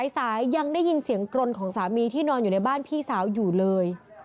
สายยังได้ยินเสียงกรนของสามีที่นอนอยู่ในบ้านพี่สาวอยู่เลย